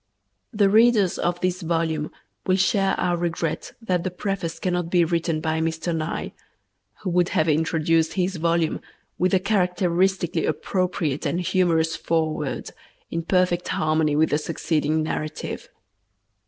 The readers of this volume will share our regret that the preface cannot be written by Mr. Nye, who would have introduced his volume with a characteristically appropriate and humorous foreword in perfect harmony with the succeeding narrative.